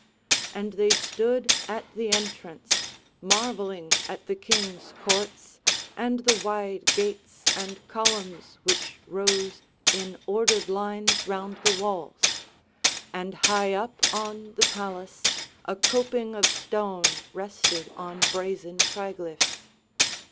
And they stood at the entrance, marvelling at the king's courts and the wide gates and columns which rose in ordered lines round the walls; and high up on the palace a coping of stone rested on brazen triglyphs.